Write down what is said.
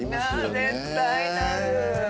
絶対なる！